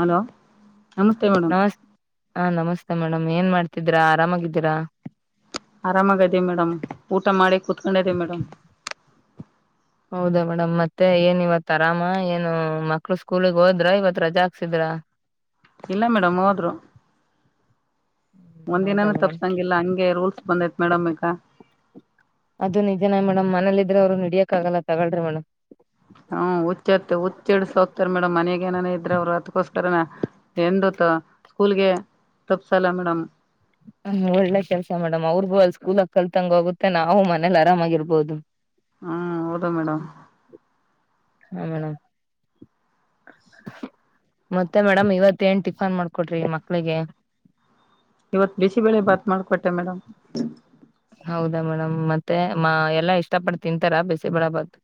Hello ನಮಸ್ತೆ madam ನಮಸ್ ಹಾ ನಮಸ್ತೆ ಮೇಡಮ್ ಏನ್ ಮಾಡ್ತಿದೀರಾ? ಆರಾಮಾಗಿದ್ದೀರಾ? ಆರಾಮಾಗೈದೆ ಮೇಡಮ್ ಊಟ ಮಾಡಿ ಕುೂತ್ಕೊಂಡಿದೀವಿ ಮೇಡಮ್. ಹೌದಾ ಮೇಡಮ್ ಮತ್ತೆ ಏನ್ ಇವತ್ ಆರಾಮ ಏನು ಮಕ್ಳು ಸ್ಕೂಲಿಗೆ ಹೋದ್ರ ಇವತ್ ರಜಾ ಹಾಕ್ಸಿದ್ರ ಇಲ್ಲ ಮೇಡಮ್ ಹೋದ್ರು ಹೌದಾ ಒಂದಿನನು ಮೇಡಮ್ ತಪ್ಸಂಗಿಲ್ಲ ಹಂಗೆ ರೂಲ್ಸ್ ಬಂದೈತ್ ಮೇಡಮ್ ಈಗ ಅದು ನಿಜನ್ ಮೇಡಮ್ ಮನೇಲಿ ಇದ್ರೆ ಅವ್ರು ಹಿಡಿಯಕ್ ಆಗಲ್ಲ ತಗಳ್ರಿ ಮೇಡಮ್ ಹ್ಮ ಹುಚ್ಚತ್ತ ಹುಚ್ಚಿಡ್ಸ ಹೋಗ್ತಾರೆ ಮೇಡಮ್ ಮನೆಗ ಏನಾನ ಇದ್ರೆ ಅವ್ರು ಅದಕ್ಕೋಸ್ಕರನ ಎಂದತ್ ಸ್ಕೂಲ್ಗೆ ತಪ್ಸಲ್ಲ ಮೇಡಮ್. ಹ್ಮ ಒಳ್ಳೆ ಕೆಲ್ಸ ಮೇಡಮ್ ಅವ್ರಗು ಅಲ್ಲಿ ಸ್ಕೂಲ್ ಹಕ್ಕಲ್ ತಂಗ ಹೋಗುತ್ತೆ ನಾವು ಮನೇಲಿ ಆರಾಮಾಗಿರ್ಬೋದು. ಹ್ಮ್ ಹೌದು ಮೇಡಮ್ ಹಾ ಮೇಡ್ ಮತ್ತೆ ಮೇಡಮ್ ಇವತ್ತ ಏನ್ ಟಿಫನ್ ಮಾಡ್ಕೊಟ್ರಿ ಮಕ್ಳಿಗೆ? ಇವತ್ ಬಿಸಿಬಳೆ ಬಾತ್ ಮಾಡ್ಕೊಟ್ಟೆ ಮೇಡಮ್. ಹೌದಾ ಮೇಡಮ್ ಮತ್ತೆ ಎಲ್ಲಾ ಇಷ್ಟ ಪಡ್ ತಿಂತಾರಾ ಬೇಸಿಬಳಾಬತ್?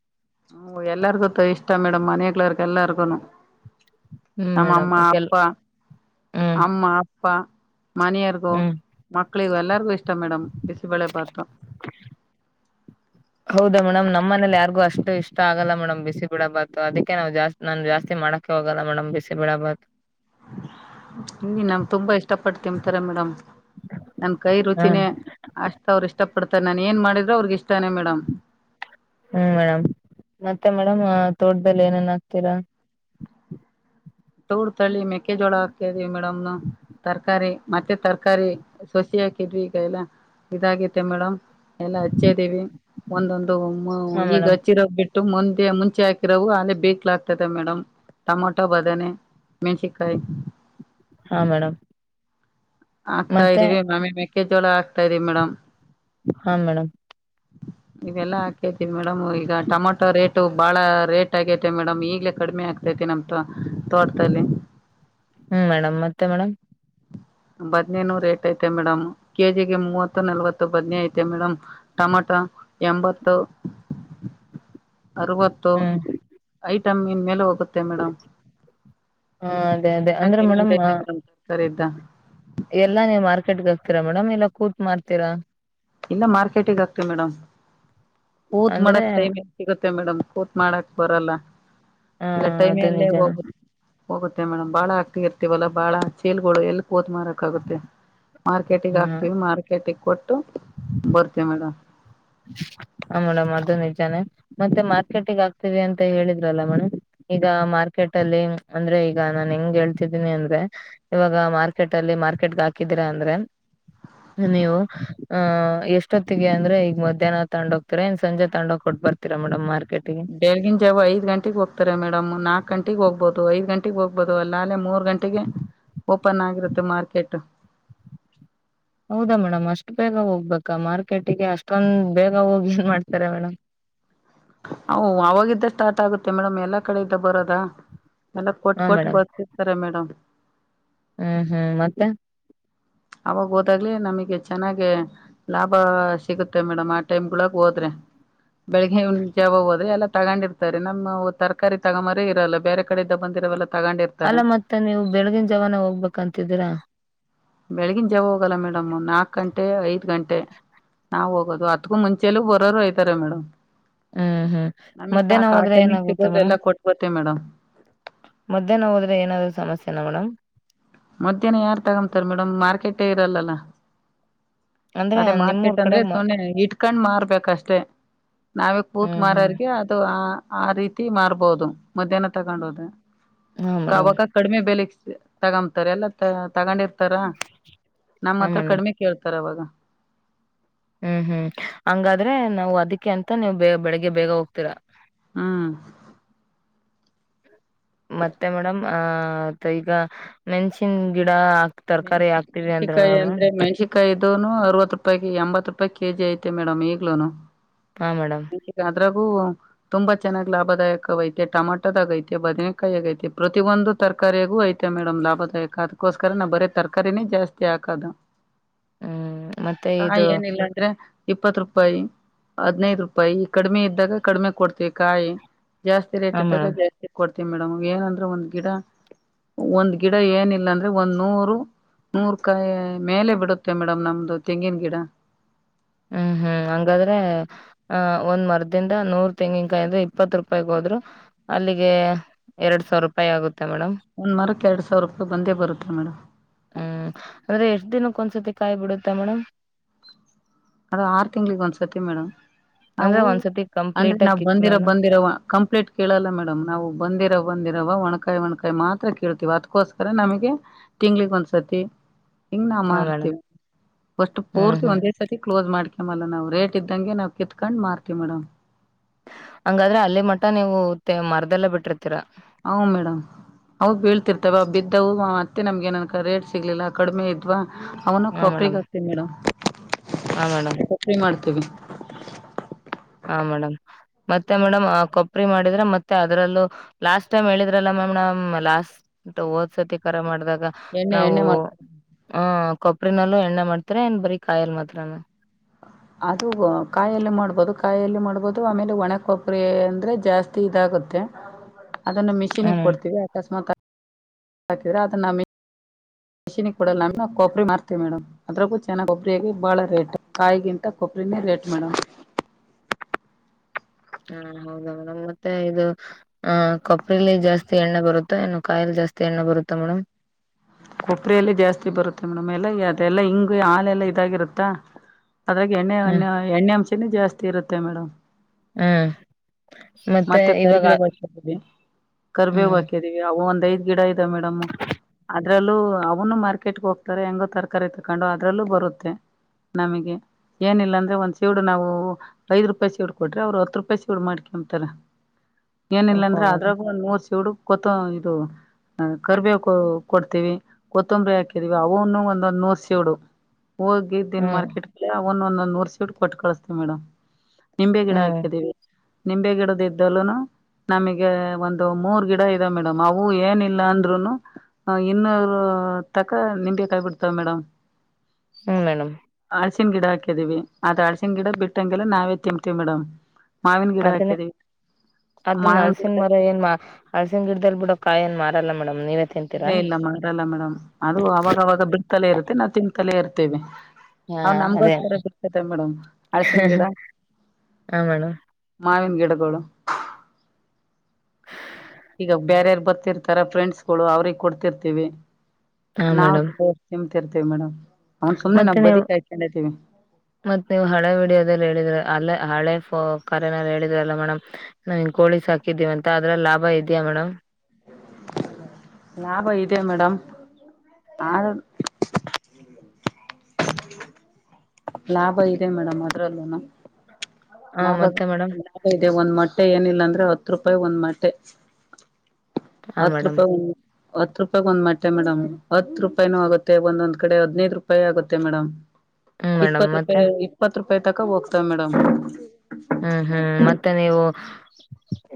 ಹ್ಮ ಎಲ್ಲಾರ್ಗೂ ಇಷ್ಟ ಮೇಡಮ್ ಮನಕ್ಳರ್ ಎಲ್ಲಾರ್ಗುನು. ಹ್ಮ್ ನಮ್ಮ ಮೇಡಮ್ ಅಮ್ಮ ಕೆಲ್ ಅಪ್ಪ ಹ್ಮ್ ಅಮ್ಮ ಪ್ಪ ಮನಿಯರ್ಗೂ ಹ್ಮ್ ಮಕ್ಕಳಿಗೂ ಎಲ್ಲ ಇಷ್ಟ ಮೇಡಮ ಬಿಸಿಬೇಳೆ ಬಾತು ಹೌದಾ ಮೇಡಮ್ ನಮ್ಮ ಮನೇಲಿ ಯಾರಿಗು ಅಷ್ಟು ಇಷ್ಟ ಆಗಲ್ಲ ಮೇಡಮ್ ಬಿಸಿ ಬೆಳೆ ಬಾತು ಅದಕ್ಕೆ ನಾವು ಜಾಸ್ತಿ ನಾನು ಜಾಸ್ತಿ ಮಾಡೋಕೆ ಹೋಗಲ್ಲ ಮೇಡಮ್ ಬಿಸಿ ಬೆಳೆ ಬಾತ್. ಇಲ್ಲಿ ನಮ್ ತುಂಬಾ ಇಷ್ಟಪಟ್ಟು ತಿನ್ತಾರೆ ಮೇಡಮ್ ನನ್ ಕೈ ಹ ರುಚಿನೇ ಅಷ್ಟ ಅವ್ರ ಇಷ್ಟ ಪಡ್ತಾರೆ ನನ್ ಏನ್ ಮಾಡಿದ್ರ ಅವ್ರಗಿಷ್ಟ. ಹ್ಮ್ ಮೇಡಮ್ ಮತ್ತೆ ಮೇಡಮ್. ತೋಟದಲ್ಲಿ ಏನೇನ್ ಆಕ್ತೀರಾ. ತೋಟದಲ್ಲಿ ಮೆಕ್ಕೆಜೋಳ ಹಾಕತೀವಿ. ಮೇಡಮ್ ನಮ್ಗ್ ತರಕಾರಿ. ಮತ್ತೆ ತರಕಾರಿ ಸಸಿ ಹಾಕಿದ್ವಿ ಈಗೆಲ್ಲಾ ಇದಾಗೈತೆ ಮೇಡಮ್. ಎಲ್ಲ ಹಚ್ಚ್ದೀವಿ ಒಂದೊಂದು ಹಾ ಈಗ ಮೇಡಮ್ ಹಚ್ಚಿರೋ ಬಿಟ್ಟು. ಇಷ್ಟ್ಟುಕ್ ಮುಂಚೆ ಹಾಕಿರೋವು ಆಲೇ ಬೇಕಲಾಗತೈದೆ ಮೇಡಮ್ ಟಮೊಟೋ ಬದನೆ. ಮೆನ್ಸಿನಕಾಯಿ. ಹಾ ಮೇಡಮ್. ಆಕ್ತಾ ಮತ್ತೆ ಇದ್ದೀವಿ ಆಮೇಲೆ ಮೆಕ್ಕೆಜೋಳ ಹಾಕ್. ಹಾಕ್ತಾದೀವಿ ಮೇಡಮ್. ಹಾ ಮೇಡಮ್ ಇವೆಲ್ಲ ಹಾಕೈತೇ ಮೇಡಮ್. ಮೇಡಮ್ ಈಗ ಟೊಮಾಟೊ ರೇಟು ಬಹಳ ರೇಟ್ ಆಗೈತೆ ಮೇಡಮ್ ಈಗ್ಲೇ ಕಡಿಮೆ ಆಗ್ತೈತಿ ಮೇಡಮ್ ನಮ್ಮ ತೋಟದಲ್ಲಿ. ಹ್ಮ್ ಮೇಡಮ್ ಮತ್ತೆ ಮೇಡಮ್. ಬದ್ನೇನೂ ರೇಟ್ ಐತೆ ಮೇಡಮ್ ಕೆಜಿಗೆ ಮೂವತ್ತು ನಲ್ವತ್ತು ಬದ್ನಿ ಐತೆ ಮೇಡಮ್ ಟಮಟೊ ಎಂಬತ್ತು. ಅರವತ್ತು ಹ್ಮ್ ಐಟ್. ಐಟಮನ್ನ್ ಮೇಲೇ ಹೋಗೋತ್ತೇ. ಮೇಡಮ್ ಹ ಅದೇ ಅದೇ ಅಂದ್ರೆ ಚೆಮೆಂ ಮೇಡಮ್ ಐತೆ ಮೇಡ್ ತರಕ ತ್ತ ಎಲ್ಲಾ ನೀವ್ ಮಾರ್ಕೆಟ್ಗೆ ಹಾಕ್ತೀರಾ ಮೇಡಮ್ ಇಲ್ಲ ಕೂತ್ ಮಾರ್ತೀರಾ. ಇಲ್ಲ ಮಾರ್ಕೆಟಿಗೆ ಹಾಕ್ತಿವಿ ಮೇಡಮ್. ಕೂತ್ ಅಂದ್ರೆ ಮಾಡಕೆ ಟೈಮ್ ಎಲ್ಲಿ ಸಿಗುತ್ತೆ ಮೇಡಮ್ ಕೂತ್ ಮಾಡಕೆ ಬರಲ್ಲ ಹ ಇಲ್ಲ ಟೈಮ ಅದು ಅಲ್ಲೇ ನಿಜಾನ ಹೋಗುತ್ತೇ. ಹೋಗುತ್ತೆ ಮೇಡಮ್ ಬಾಳ ಹಾಕ್ತಿರ್ತೀವಲ್ಲ ಬಾಳ ಚೀಲ್ಗಳು ಎಲ್ಲುಕ್. ಕೂತ್ ಮಾರಕ್ ಆಗುತ್ತೆ ಮಾರ್ಕೆಟ್ ಗೆ ಹ ಹಾಕ್ತಿವಿ ಮಾರ್ಕೆಟ್ಗೆ. ಕೊಟ್ಟು. ಬರ್ತೀವಿ ಮೇಡಮ್ ಹ ಮೇಡಮ್ ಅದು ನಿಜಾನೇ ಮತ್ತೆ ಮಾರ್ಕೆಟಿಗೆ ಹಾಕ್ತೀವಿ ಅಂತ ಹೇಳಿದ್ರಲ್ಲ ಮೇಡಮ್ ಈಗ ಮಾರ್ಕೆಟ್ ಅಲ್ಲಿ ಅಂದ್ರೆ ಈಗ ನಾನು ಹೆಂಗ್ ಹೇಳ್ತಿದ್ದೀನಿ ಅಂದ್ರೆ ಇವಾಗ ಮಾರ್ಕೆಟ್ ಅಲ್ಲಿ ಮಾರ್ಕೆಟ್ಗೆ ಹಾಕಿದೀರಾ ಅಂದ್ರೆ ನೀವು ಹ ಎಷ್ಟೊತ್ತಿಗೆ ಅಂದ್ರೆ ಈಗ ಮದ್. ಮಧ್ಯಾಹ್ನ ತಗೊಂಡು ಹೋಗ್ತಿರೋ ಏನ್ ಸಂಜೆ ತಗೊಂಡೋಗಿ ಕೊಟ್ಟು ಬರ್ತೀರ ಮೇಡಮ್ ಮಾರ್ಕರ್ಟ್ಗೆ. ಬೆಳಗಿನ ಜಾವ ಐದ್ ಗಂಟೆಗೆ ಹೋಗ್ತಾರೆ ಮೇಡಮ್ ನಾಕ್ಕ್ ಗಂಟೆಗೆ ಹೋಗ್ಬಹದು ಐದು ಗಂಟೆಗೆ. ಹೋಗ್ಬೋದು ಅಲ್ಲ ಅೇ ಮೂರ್ ಗಂಟೆಗೆ ಓಪನ್ ಆಗಿರುತ್ತೆ ಮಾರ್ಕೆಟ್. ಹೌದಾ ಮೇಡಮ್ ಅಷ್ಟು ಬೇಗ ಹೋಗ್ಬೇಕಾ ಮಾರ್ಕೆಟಿಗೆ ಅಷ್ಟೊಂದು ಬೇಗ ಹೋಗಿ ಏನ್ ಮಾಡ್ತಾರೆ ಮೇಡಮ್. ಹ ಅವಾಗಿದ್ದ ಸ್ಟಾರ್ಟ್ ಆಗುತ್ತೆ ಮೇಡಮ್ ಎಲ್ಲಾ ಕಡೆಯಿಂದ ಬರೋದಾ. ಎಲ್ಲ ಹಾ ಕೊಟ್ಟು ಕೊಟ್ಟು ಮೇಡಮ್ ಬರ್ತಿತಾರೆ ಮೇಡಮ್. ಹ್ಮ್ ಹ್ಮ್ ಮತ್ತೆ. ಅವಾಗ ಹೋದಾಗ್ಲೇ ನಮಗೆ ಚೆನ್ನಾಗಿ ಲಾಭ ಸಿಗುತ್ತೆ ಮೇಡಮ್ ಆ ಟೈಮ್ಗಳಗೆ ಹೋದ್ರೆ ಬೆಳಗಿನ್ನಜಾವ ಹೋದ್ರೆ ಎಲ್ಲ ತಗೊಂಡಿರ್ತಾರೆ ನಮ್ಮ್ ತರಕಾರಿ ತಗೊಮ್ಬೋರೆ ಇರಲ್ಲ ಬೇರೆ ಕಡೆಯಿಂದ ಬಂದಿರೋವೆಲ್ಲಾ. ಅಲ್ಲ ಮತ್ತೆ ನೀವು ಬೆಳಗಿನಜವಾನೇ ಹೋಗ್ಬೇಕಂತಿದೀರಾ. ಬೆಳಗಿನಜಾವ ಹೋಗಲ್ಲ ಮೇಡಮ್ ನಾವ್ ನಾಕ್ ಗಂಟೆ ಐದ್ ಗಂಟೆ ನಾವು ಹೋಗೋದು ಅತ್ಕೂ ಮುಂಚೇಲು ಬರೋರು ಐದಾರೆ ಮೇಡಮ್. ಹ್ಮ್ ಹ್ಮ್ ನಮಗೆ ಮಧ್ಯಾಹ್ನ ಸಾಕು ಆ ಹೋದ್ರೆ ಟೈಮಿಗೆ ಏನಾಗುತ್ತೆ ಸಿಗೋರು ಎಲ್ಲ ಮೇಡಮ್ ಕೊಟ್ಟು ಬರ್ತೀವಿ ಮೇಡಮ್ ಮಧ್ಯಾಹ್ನ ಹೋದ್ರೆ ಏನಾದ್ರೂ ಸಮಸ್ಯೆನಾ ಮೇಡಮ್. ಮಧ್ಯಾಹ್ನ ಯಾರ್ ತಗಂತಾರ ಮೇಡಮ್ ಮಾರ್ಕೆಟೇ ಇರಲ್ ಅಲಾ ಅಂದ್ರೆ ಅದೇ ನಿಮ್ಮೂರ್ ಮಾರ್ಕೆಟ್ ಅಂದ್ರೆ ಕಡೆಗ್ ಮ ಸುಮ್ಮನೆ ಇಟ್ಕಂಡ್ ಮಾರ್ಬೇಕಷ್ಟೆ ನಾವೇ ಕೂತ್ ಹ್ಮ್ ಹ್ಮ್ ಮಾರ್ರಗೆ ಅದು ಆ ಆ ರೀತಿ ಮಾರ್ಬೋದು ಮಧ್ಯಾಹ್ನ ತಗಂಡೋದ್ರೆ ಹಾ ಮೇಡಮ್ ಕಾವಕ ಕಡಮೆ ಬೆಲೆ ಸಿ ಯ ತಗಂ ತರೆತ್ ಹಾರ್ [unintelligible] ತಗಂಡ್ ಇರ್ತಾರ ನಮ್ಮ ಹಾ ಹತ್ರ ಮೇಡಮ್ ಕಡಮೆ ಕೇಳ್ತಾರ ಅವಾಗ ಹ್ಮ್ ಹ್ಮ್ ಹಂಗಾದ್ರೆ ನಾವು ಅದೀಕ್ಕೆ ಅಂತ ನೀವು್ ಬೇ ಬೆಳಿಗ್ಗೆ ಬೇಗಾ ಹೋಗ್ತೀರಾ ಹ್ಮ್ ಮತ್ತೆ ಮೇಡಮ್ ಆ ಈಗ ಮೆಣಸಿನ್ ಗಿಡ ತರಕಾರಿ ಹಾಕ್ತಿವಿ ಅಂದ್ರಲ್ಲ ಮನ್ಸಿಕಾಯಿ ಮೇಡಮ್ ಅಂದ್ರೆ ಮನ್ಸಿಕ ಕಾಯಿ ಇದನು ಅರವತ್ ರೂಪಾಯ ಎಂಬತ್ತು ರೂಪಾಯಿ ಕೆ ಜಿ ಐತೆ ಮೇಡಮ್ ಈಗ್ಲೂನು ಹಾ ಮೇಡಮ್ ಮೆಣ್ಸಿಕಾಯಿ ಅದ್ರಾಗೂ ತುಂಬಾ ಚೆನ್ನಾಗ್ ಲಾಭದಾಯಕ ಐತೆ ಟಮಾಟೋದಾಗ ಐತೆ ಬದನೆಕಾಯಿ ಆಗೈತೆ ಪ್ರತಿ ಒಂದು ತರಕಾರಿಯಾಗು ಐತೆ ಮೇಡಮ್ ಲಾಭದಾಯಕ ಅದಕೋಸ್ಕರ ನಾ ಬರೀ ತರಕಾರಿನೇ ಜಾಸ್ತಿ ಹಾಕದು ಹ್ಮ್ ಮತ್ತೆ ಹಾ ಇದು ಏನಿಲ್ಲ ಅಂದ್ರೆ ಇಪ್ಪತ್ ರೂಪಾಯಿ ಹದ್ನೈದು ರೂಪಾಯಿ ಕಡಿಮೆ ಇದ್ದಾಗ ಕಡಿಮೆ ಕೊಡ್ತೀವಿ ಕಾಯಿ ಜಾಸ್ತಿ ರೇಟ್ ಹಾ ಇದ್ದಾಗ ಮೇಡಮ್ ಜಾಸ್ತಿ ಕೊಡ್ತಾರೆ ಮೇಡಮ್ ಏನಂದ್ರೆ ಒಂದ್ ಗಿಡ ಒಂದ್ ಗಿಡ ಏನಿಲ್ಲ ಅಂದ್ರೆ ಒಂದ್ ನೂರು ನೂರ್ಕಾಯಿ ಮೇಲೆ ಬಿಡುತ್ತೆ ಮೇಡಮ್ ನಮ್ದು ತೆಂಗಿನ ಗಿಡ ಹ್ಮ್ ಹ್ಮ್ ಹಂಗಾದ್ರೆ ಆ ಒಂದ್ ಮರದಿಂದ ನೂರ್ ತೆಂಗಿನ್ಕಾಯಿ ಅಂದ್ರೆ ಇಪ್ಪತ್ ರೂಪಾಯಿಗೆ ಹೋದ್ರು ಅಲ್ಲಿಗೆ ಎರಡ್ ಸಾವಿರ ರೂಪಾಯಿ ಆಗುತ್ತೆ ಮೇಡಮ್ ಒಂದ್ ಮರಕ್ಕೆ ಎರಡ್ ಸಾವಿರ ರೂಪಾಯಿ ಬಂದೆ ಬರುತ್ತ ರೀಮೆಡಮ್ ಹ್ಮ್ ಅದ್ರೆ ಎಷ್ಟ್ ದಿನಕ್ಕ ಒಂದ್ಸತಿ ಕಾಯಿ ಬಿಡುತ್ತೆ ಮೇಡಮ್ ಅದ ಆರ್ ತಿಂಗ್ಳಿಗೆ ಒಂದ್ಸತಿ ಮೇಡಮ್ ನಾವು ಅಂದ್ರೆ ಒಂದ್ಸತಿ ಅಂದ್ರೆ ಕಂಪ್ಲೀಟ್ ಆಗಿ ನಾವ್ ಬಂದಿರ ಕಿತ್ಮೇಲ ಬಂದಿರ ಕಂಪ್ಲೀಟ್ ಕೇಳಲ್ಲ ಮೇಡಮ್ ನಾವು ಬಂದಿರ ಬಂದಿರವ ಒಣ್ಕಾಯಿ ಒಣ್ಕಾಯಿ ಮಾತ್ರ ಕೀಳ್ತೀವ ಅದಕೋಸ್ಕರ ನಮಗೆ ತಿಂಗ್ಳಗ್ ಒಂದ್ಸತಿ ಹಿಂಗ್ ನಾವು ಹಾ ಮೇಡಮ್ ಮಾರತೇವಿ ಒಸ್ಟ್ ಹ್ಮ್ ಪೂರ್ತಿ ಹ್ಮ್ ಒಂದ ಕ್ಲೋಸ್ ಮಾಡ್ಕೆಮಲ್ಲ ನಾವು ರೇಟ್ ಇದ್ದಂಗೆ ನಾವು ಕಿತ್ಕೊಂಡ್ ಮಾರ್ತಿವಿ ಮೇಡಮ್ ಹಂಗಾದ್ರೆ ಅಲ್ಲಿ ಮಠ ನೀವು ಮರದೆಲ್ಲ ಬಿಟ್ಟಿರ್ತೀರಾ? ಹ ಮೇಡಮ್ ಅವು ಬೀಳ್ತಿರ್ತಾವ ಬಿದ್ದವು ಮತ್ತೆ ನಮ್ಗೆ ನನ್ ರೇಟ್ ಸಿಗ್ಲಿಲ್ಲ ಕಡಿಮೆ ಇದ ಅಥವಾ ಅವನ ಹಾ ಮೇಡಮ್ ಕೊಪ್ರಿಗೆ ಆಗ್ತಿವ್ ಮೇಡಮ್ ಹಾ ಮೇಡಮ್ ಸಪ್ಪಿ ಮಾಡ್ತೇವಿ [unintelligible] [unintelligible] ಮೇಡಂ ಮತ್ತೆ ಮೇಡಮ್ ಕೊಬರಿ ಮಾಡಿದ್ರೆ ಮತ್ತ ಅದ್ರಲ್ಲೂ ಲಾಸ್ಟ್ ಟೈಮ್ ಹೇಳಿದ್ರಲ್ಲ ಮ್ಯಾಮ್ ನಮ್ಮ್ ಲಾಸ್ಟ್ ದ್ ಹೊಸತಿ ಕರೆ ಮಾಡಿದಾಗ. ಎಣ್ಣೆ ನಾವು ಎಣ್ಣೆ ಮಾಡ್ತೀವಿ ಅ ಕೊಬ್ಬರಿನಲ್ಲೂ ಎಣ್ಣೆ ಮಾಡ್ತರ ಏನ್ ಬರಿ ಕಾಯಲ್ ಮಾತ್ರನಾ? ಅದು ಕಾಯಲ್ಲಿ ಮಾಡ್ಬೋದು ಕಾಯಲ್ಲಿ ಮಾಡ್ಬೋದು ಆಮೇಲೆ ಒಣೆ ಕೊಬ್ಬರಿ ಅಂದ್ರೆ ಜಾಸ್ತಿ ಇದಾಗುತ್ತೆ. ಅದನ್ನು ಮಿಷೀನಿಗೆ ಹ್ಮ್ ಕೊಡ್ತೀವಿ ಅಕಸ್ಮಾತ್ ತಿದ್ರ ಅದನ್ನ ಮೇ ಮಿಷಿನಿಗೆ ಕೊಡಲ್ಲ ನಮ್ಮ ಕೊಪರಿ ಮಾಡ್ತೀವಿ ಮೇಡಮ್ ಅದ್ರಕ್ಕೂ ಚೆನ್ನಾಗಿ ಕೊಬ್ಬರಿಯಾಗಿ ಬಾಳ ರೇಟ್ ಕಾಯಿಗಿಂತ ಕೊಬ್ಬರಿನೇ ರೇಟ್ ಮೇಡಮ್ ಹಾ ಹೌದೌ ನ ಮತ್ತೆ ಇದು ಹ ಕೊಪ್ಪ್ರಲ್ಲಿ ಜಾಸ್ತಿ ಜಾಸ್ತಿ ಎಣ್ಣೆ ಬರುತ್ತಾ ನ್ನು ಕಾಯಲಿ ಜಾಸ್ತಿ ಎಣ್ಣೆ ಬರುತ್ತಾ ಮೇಡಮ್ ಕೊಬ್ರಿಯಲ್ಲಿ ಜಾಸ್ತಿ ಬರುತ್ತೆ ಮೇಡಮ್ ಎಲ್ಲ ಎಲ್ಲಾ ಹಿಂಗು ಹಾಲೆಲ್ಲ ಇದಾಗಿರುತ್ತಾ ಅದ್ರಾಗ ಎಣ್ಣೆ ಎಣ್ಣೆ ಹ್ಮ್ ಎಣ್ಣೆ ಮಿಕ್ಸ್ ಜಾಸ್ತಿ ಇರುತ್ತೆ ಮೇಡಮ್ ಹ್ಮ್ ಮತ್ತೆ ಕರ್ಬೆ ಹೋಗ ಹಾಕಿದ್ದೀವಿ ಕರ್ಬೇ ಹ್ಮ್ ಹಾಕಿದೀವಿ ಅವು ಒಂದ ಐದ್ ಗಿಡ ಇದೆ ಮೇಡಮ್ ಅದ್ರಲ್ಲೂ ಅವನು ಮಾರ್ಕೆಟ್ಗೆ ಹೋಗ್ತಾರ ಹೆಂಗೋ ತರಕಾರಿ ತಕೊಂಡು ಅದ್ರಲ್ಲೂ ಬರುತ್ತೆ ನಮಗೆ ಏನಿಲ್ಲ ಅಂದ್ರೆ ಒಂದ್ ಸೀೂಡ್ ನಾವು ಐದ್ ರೂಪಾಯಿ ಸೀಡ್ ಕೊಟ್ರಿ ಅವ್ರು ಹತ್ ರೂಪಾಯಿ ಸೀಡ್ ಮಾಡ್ಕೊತಾರ ಏನಿಲ್ಲ ಓಹೋ ಅಂದ್ರ ಅದ್ರಾಗು ಒಂದ್ ಮೂ ಚಡು ಕೊತ ಇದು ಕರಿಬೇವು ಕೊಡ್ತೀವಿ ಕೊತ್ತಂಬರಿ ಹಾಕಿದೀವಿ ಅವನು ಒಂದೊಂದ್ ನೂರ್ಸೂಡು ಹೋಗಿದೀನ್ ಹ್ಮ್ ಮಾರ್ಕೆಟ್ ಒಂದೊಂದೊಂದ್ ನೂರ್ ಸೀಟ್ ಕೊಟ್ಟು ಕಳಸ್ತೀ ಮೇಡಮ್ ನಿಂಬೆ ಗಿಡ ಹ್ಮ್ ಹಾಕಿದ್ದೀವಿ ನಿಂಬೆ ಗಿಡದ ಇದ್ದಲುೂನು ನಮಗೆ ಒಂದು ಮೂರ್ ಗಿಡ ಇದದೆ ಮೇಡಮ್ ಅವು ಏನಿಲ್ಲ ಅಂದ್ರುನು ಹ ಇನ್ನೂರು ತಕ್ಕ ನಂಬಿ ಕಾಯಿ ಬಡ್ತವ ಮೇಡಮ್ ಹ್ಮ್ ಮೇಡಮ್ ಅಳ್ಸಿನ ಗಿಡ ಹಾಕಿದೀವಿ ಅ ಅಳ್ಸನ್ ಗಿಡ ಬಿಟ್ಟಂಗೆಲ್ಲ ನಾವೇ ತಿತೀವಿ ಮೇಡಮ್ ಮಾವಿನ ಗಿಡ ಅದನ್ನ ಹಾಕಿದೀವಿ ಅದ ನ ಮಾವಿನ ಗಿಡ ಅಳ್ಸನ್ ಮರ ಏನ್ ಹಳ್ಸಿನ ಗಿಡದಲ್ಲಿ ಬಿಡ ಕಾಯ ನ್ ಮಾರಲ್ಲ ಮೇಡಮ್ ನೀವೇ ಇಲ್ಲ ತಿಂತೀರಾ ಇಲ್ಲ ಮಾರಲ್ಲ ಮೇಡಮ್ ಅದು ಅವಾಗವಾಗ ಬಿಡ್ತಲೇ ಇರುತ್ತೆ ನಾವ್ ತಿಂತಲೇ ಇರ್ತ್ತೆ ತ್ತವೆ ಹಾ ಅವ ಅದೇ ನಮಗೋಸ್ಕರ ಬಿರ್ತತೆ ಮೇಡಮ್ ಅಳಸನ್ ಗಿಡ ಹಾ ಮೇಡಮ್ ಮಾವಿನ ಗಿಡಗಳು ಈಗ ಬೇರ್ಯಾರ್ ಬರ್ತಿರ್ತಾರ ಫ್ರೆಂಡ್ಸ್ಗಳು ಅವ್ರಿಗೆ ಕೊಡ್ತಿರ್ತಿವಿ ಹಾ ಮೇಡಮ್ [unintelligible] ತೀರ್ತಿವಿ ಮೇಡಮ ಮತ್ತೆ ನೀವು ಮತ್ತೆ ನೀವು ಹಳೆ ವಿಡಿಯೋದಲ್ಲಿ ಹೇಳಿದ್ರೆ ಅಲ್ಲ ಹಳೆ ಕರೆನ ಹೇಳಿದ್ರಲ್ಲ ಮೇಡಮ್ ನ ಕೋಳಿಸ್ ಹಾಕಿದ್ದೀವ ಅಂತ ಅದ್ರ ಲಾಭ ಇದಯಾ ಮೇಡಮ್ ಲಾಭ ಇದೆ ಮೇಡಮ್ ಲಾಭ ಇದೆ ಮೇಡಮ್ ಅದ್ರಲ್ಲೂನ ಹ ಲಾಭ ಮತ್ತೆ ಮೇಡಮ್ ಇದೆ ಒಂದ್ ಮ ಮಟ್ಟೆ ಏನಿಲ್ಲ ಅಂದ್ರೆ ಹತ್ತು ರೂಪಾಯಿ ಒಂದ್ ಮಟ್ಟೆ ಹಾ ಹತ್ತು ಮೇಡಮ್ ರೂಪಾಯಿ ಒಂದು ಹತ್ ರೂಪಾಯ ಒಂದ್ ಮಟ್ಟೆ ಮೇಡಮ್ ಹತ್ ರೂಪಾಯೂ ಆಗುತ್ತೆ ಒಂದೊಂದ್ ಕಡೆ ಹದ್ನೈದು ರೂಪಾಯಿ ಆಗುತ್ತೆ ಮೇಡಮ್ ಹ್ಮ್ ಮೇಡಮ್ ಇಪ್ಪತ್ತು ಮತ್ತೆ ರೂಪಾಯಿ ಇಪ್ಪತ್ತು ರೂಪ ತಕ್ಕ ವಾಕ್ಸ್ ಹ್ಮ್ ಹ್ಮ್ ಮತ್ತೆ ನೀವು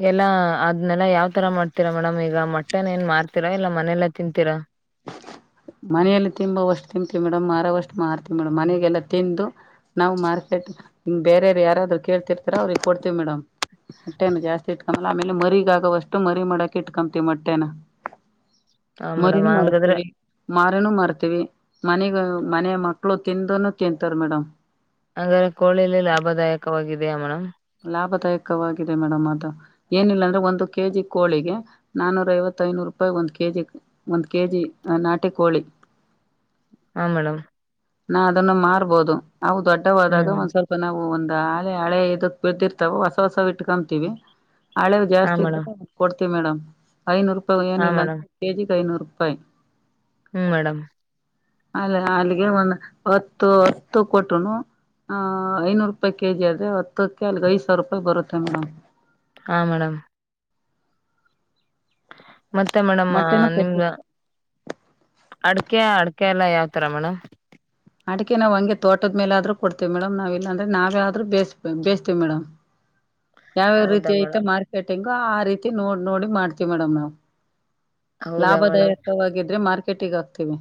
ಎಲ್ಲ ಅದ್ನೆಲ್ಲ ಯಾವ ತರ ಮಾಡ್ತೀರಾ ಮೇಡಮ್ ಈಗ ಮಟ್ಟೆನ್ ಏನ್ ಮಾರ್ತೀರಾ ಇಲ್ಲ ಮನೆೆಯಲ್ಲಾ ತಿಂತೀರಾ ಮನೆಯಲ್ಲಿ ತಿಂಬವಷ್ಟು ತಿನ್ತಿವಿ ಮೇಡಮ್ ಮಾರವಷ್ಟು ಮಾರ್ತಿೀವಿ ಮೇಡಮ್ ಮನೆಗೆಲ್ಲಾ ತಿಂದು ನಾವು ಮಾರ್ಕೆಟ್ ಹ ಬೇರೆ ಯಾರಾದರು ಕೇಳ್ತಿರ್ತಾರೋ ಅವ್ರಿಗೆ ಕೊಡ್ತತಿವಿ ಮೇಡಮ್ ಮಟ್ಟೇನು ಜಾಸ್ತಿ ಇಟ್ಕೊ ಮ ಆಮೇಲೆ ಮರಿಗ ಆಗವಷ್ಟು ಮರಿ ಮಾಡಕ ಇಟ್ಕೊತಿ ಮೊಟ್ಟೆನ ಹ ಮೇಡಮ್ ಮರಿನೂ ಹಂಗ ಅದ್ರೆ ಮಾಡಿಸ್ತೀವಿ ಮಾರನೂ ಮಾರ್ತೀವಿ ಮನೆಗ ಮನೆಯ ಮಕ್ಳು ತಿಂದನ ತಿಂತಾರ ಮೇಡಮ್ ಹಾಗ್ರೆ ಕೋಳಿಲ್ಲಿ ಲಾಭದಾಯಕವಾಗಿದೆಯ ಮೇಣ್ ಾಯಕವಾಗಿದೆ ಮೇಡಮ್ ಅದು ಏನಿಲ್ಲ ಅಂದ್ರೆ ಒಂದು ಕೆ ಜಿ ಕೋಳಿಗೆ ನಾನೂರ ಐವತ್ತ ಐನೂರು ರೂಪಾಯಿ ಒಂದು ಕೆಜಿ ಒಂದು ಕೆ ಜಿ ಆ ನಾಟೆ ಕೋಳಿ ಹಾ ಮೇಡಮ್ ನಾ ಅದನ್ನು ಮಾರ್ಬೋದು ನಾವು ದೊಡ್ಡವಾದಾಗ ಹ್ಮ್ ಒಂದ್ ಸ್ವಲ್ಪ ನಾವು ಒಂದ ಳೆ ಹಳೆ ಇದಕ್ ಬ್ದಿರ್ತಾವ ಹೊಸ ಹೊಸ ಇಟ್ಕೊತೀವಿ ಹಳೆ ಹಾ ಜಾಸ್ತಿ ಮೇಡಮ್ ಇದ್ರೆ ಕೊಡ್ ಮೇಡಮ್ ಐನೂರು ರೂಪಿ ಹಾ ಏನಿಲ್ಲ ಮೇಡಮ್ ಕೆಿ ಐನೂರುಾಯಿ ಫೈನ್ ಹ್ಮ್ ಮೇಡಮ್ ಅಲ್ಲಿ ಅಲ್ಲಿಗೆ ಒಂದು ಹತ್ತು ಹತ್ತು ಕೊಟ್ಟನು ಆ ಐನೂರು ರೂಪಾಯಿ ಕೆಜಿ ಆದ್ರೆ ಹತ್ತಕ್ಕೆ ಅಲ್ಲಿಗೆ ಐದ್ ಸಾವಿರ ರೂಪಾಯಿ ಬರುತ್ತೆ ಮೇಡ್ ಹಾ ಮೇಡಮ್ ಮತ್ತೆ ಮೇಡಮ್ ಮೊಟ್ಟೆನೂ ನಿಮ್ದ ಕೊಡ್ತೀವಿ ಅಡಕೆ ಅಡ್ಕೆ ಎಲ್ಲ ಯಾವ್ ತರ ಮೇಡಮ್ ಅಡಿಕೆ ನಾವವು ಹಂಗೆ ತೋಟದ ಮೇಲೆ ಆದ್ರೂ ಕೊಡ್ತೇವಿ ಮೇಡಮ್ ನಾವ್ ಇಲ್ಲಾಂದ್ರೆ ನಾವೇ ಆದ್ೂ ಬೇ ಬೇಯತೀವಿ ಮೇಡಮ್ ಯಾವ್ಯಾವ ರೀತಿ ಹೌದಾ ಐತ ಮೇಡಮ್ ಮಾರ್ಕೆಟಿಂಗ್ ಆ ರೀತಿ ನೋಡ್ ನೋಡಿ ಮಾಡ್ತಿೀವಿ ಮೇಡಮ್ ನಾವವು ಹೌದಾ ಮೇಡಮ್ ಲಾಭದಾಯಕವಾಗಿದ್ರೆ ಮಾರ್ಕೆ ಕೆಟಿಿಗೆ ಹಾಕ್ತಿೀವಿ.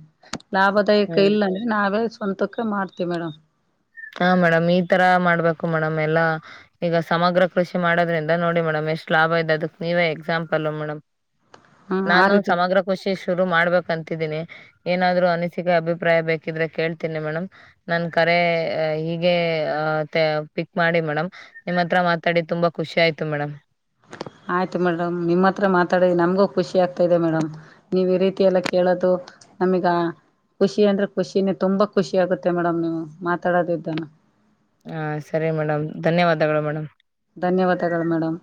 ಲಾಭದಾಯಕ ಹ್ಮ್ ಇಲ್ಲ ನಾವ ಸ್ವಂತಕ ಮಾಡ್ತಿೀವಿ ಮೇಡಮ್ ಹಾ ಮೇಡಮ್ ಈತರ ಮಾಡ್ಬೇಕು ಮೇಡಮ್ ಎಲ್ಲಾ ಈಗ ಸಮಗ್ರ ಕೃಷಿ ಮಾಡೋದ್ರಿಂದ ನೋಡಿ ಮೇಡಮ್ ಎಷ್ಟು ಲಾಭ ಇದೆ ಅದಕ್ ನೀವೇ ಎಕ್ಸಾಂಪಲ್ಲ ಮೇಡಮ್ ಹ್ಮ್ ಆ ನಾನು ರೀತಿ ಸಮಗ್ರ ಕಖುಷಿ ಶುರು ಮಾಡಬೇಕಂತನಿ ಏನಾದ್ೂ ಅನಿಸಿಕೆ ಅಭಿಪ್ರಾಯ ಬೇಕಿದ್ರೆ ಕೇಳ್ತೀನಿ ಮೇಡಮ್ ನ ಕರೆ ಹೀಗೆ ಪಿಕ್ ಮಾಡಿ ಮೇಡಮ್ ನಿಮ್ಮ ಹತ್ರ ಮಾತಾಡಿ ತುಂಬಾ ಖುಷಿ ಆಯ್ತು ಮೇಡಮ್ ಆಯ್ತು ಮೇಡಮ್ ನಿಮ್ಮ ಹತ್ರ ಮಾತಾಡ ನಮ್ಗೂ ಖುಷಿ ಆಗ್ತಾ ಇದೆ ಮೇಡಮ್ ನೀವ್ ಈ ರೀತಿ ಎಲ್ಲ ಕೇಳೋದು ನಮಗ ಖುಷಿ ಅಂದ್ರೆ ಖುಷಿನೇ ತುಂಬಾ ಖುಷಿ ಆಗುತ್ತೆ ಮೇಡಮ್ ನೀವು ಮಾತಾಡೋದು ಇದ್ದಾನ ಹಾ ಸರಿ ಮೇಡಮ್ ಧನ್ಯವಾದಗಳು ಮೇಡಮ್ ಧನ್ಯವಾದಗಳು ಮೇಡಮ